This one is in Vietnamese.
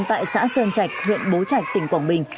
tại xã sơn trạch huyện bố trạch tỉnh quảng bình